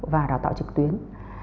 và đào tạo trực tuyến